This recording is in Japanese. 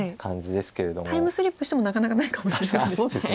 タイムスリップしてもなかなかないかもしれないですね。